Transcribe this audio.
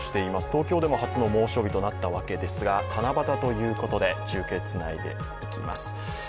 東京でも初の猛暑日となったわけですが、七夕ということで、中継つないでいきます。